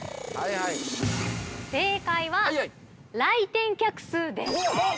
◆正解は、来店客数です。